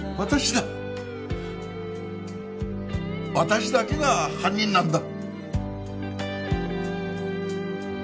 私だけが犯人なんだ。